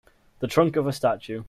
The trunk of a statue.